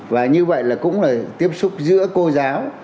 và như vậy là cũng là tiếp xúc giữa cô giáo